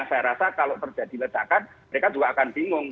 saya rasa kalau terjadi ledakan mereka juga akan bingung